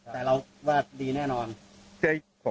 แต่เราว่าดีแน่นอน